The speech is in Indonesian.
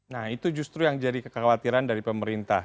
nah itu justru yang jadi kekhawatiran dari pemerintah